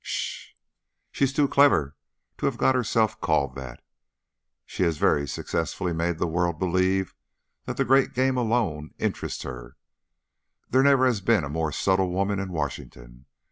"'Sh! She is too clever to have got herself called that. She has very successfully made the world believe that the great game alone interests her; there never has been a more subtle woman in Washington.